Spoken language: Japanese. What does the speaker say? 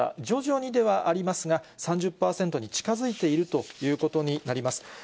徐々にではありますが、３０％に近づいているということになります。